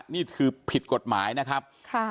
นี่คือผิดกฎหมายนะครับ